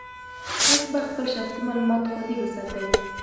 تاسي باید خپل شخصي معلومات خوندي وساتئ.